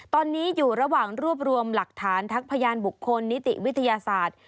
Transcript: ตอนนี้อยู่ระหว่างรวบรวมหลักฐานทั้งพยานบุคคลนิติวิทยาศาสตร์